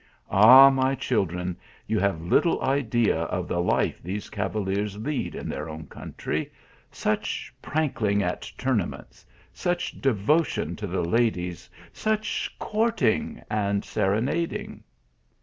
Ah, my children, you have little idea of the life these cavaliers lead in their own country. Such prankling at tournaments ! such devotion to the ladies ! such courting and serenad ing"